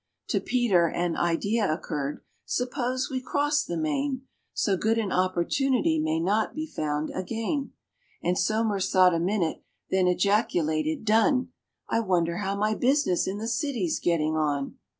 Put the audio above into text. To PETER an idea occurred, "Suppose we cross the main? So good an opportunity may not be found again." And SOMERS thought a minute, then ejaculated, "Done! I wonder how my business in the City's getting on?"